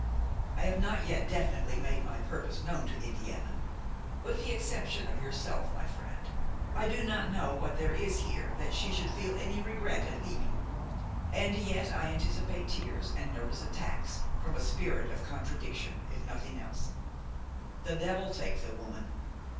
I have not yet definitely made my purpose known to Indiana. With the exception of yourself, my friend, I do not know what there is here that she should feel any regret at leaving; and yet I anticipate tears and nervous attacks, from a spirit of contradiction, if nothing else. The devil take the women!